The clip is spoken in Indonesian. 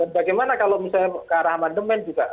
dan bagaimana kalau misalnya ke arah amandemen juga